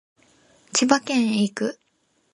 千葉県へ行く